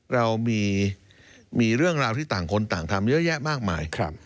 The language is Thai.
เรามีเรื่องราวที่ต่างคนต่างทำเยอะแยะมากมาย